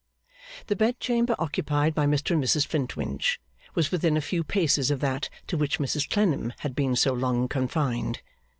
The bed chamber occupied by Mr and Mrs Flintwinch was within a few paces of that to which Mrs Clennam had been so long confined.